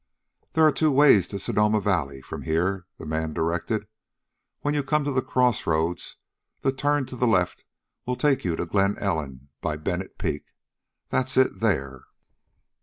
"There are two ways to Sonoma Valley from here," the man directed. "When you come to the crossroads the turn to the left will take you to Glen Ellen by Bennett Peak that's it there."